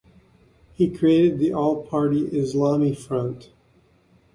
He created the All Party Islami Front.